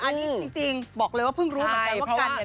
อันนี้จริงบอกเลยว่าเพิ่งรู้เหมือนกันว่ากันเนี่ย